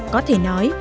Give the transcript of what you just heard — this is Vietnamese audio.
có thể nói